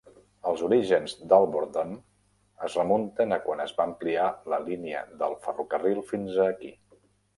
Els orígens d'Alvordton es remunten a quan es va ampliar la línia del ferrocarril fins aquí.